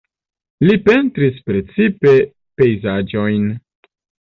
Li pentris precipe pejzaĝojn.